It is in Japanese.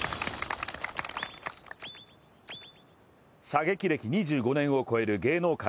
射撃歴２５年を超える芸能界